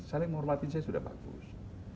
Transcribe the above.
saling menghormatin saya sudah bagus